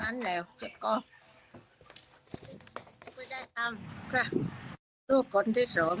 นั้นแล้วฉันก็